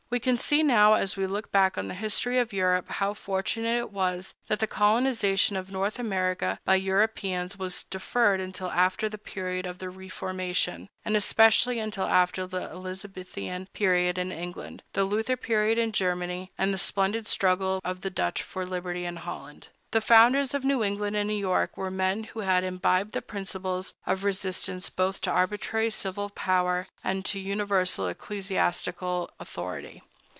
We can see now, as we look back on the history of Europe, how fortunate it was that the colonization of North America by Europeans was deferred until after the period of the Reformation, and especially until after the Elizabethan period in England, the Luther period in Germany, and the splendid struggle of the Dutch for liberty in Holland. The founders of New England and New York were men who had imbibed the principles of resistance both to arbitrary civil power and to universal ecclesiastical authority.